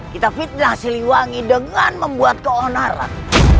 kita fitnah siliwangi dengan membuat keonaran